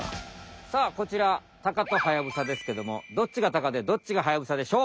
さあこちらタカとハヤブサですけどもどっちがタカでどっちがハヤブサでしょう？